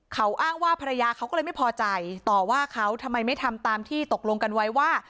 เขาอ้างว่าภรรยาเขาก็เลยไม่พอใจต่อว่าเขาทำไมไม่ทำตามที่ตกลงกันไว้ว่า